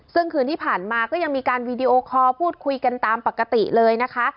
ซึ่งคืนที่ผ่านมาก็ยังมีการวีดีโอคอลพูดคุยกันตามปกติเลยนะคะ